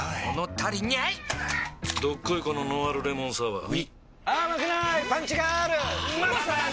どっこいこのノンアルレモンサワーうぃまさに！